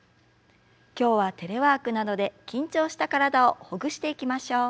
今日はテレワークなどで緊張した体をほぐしていきましょう。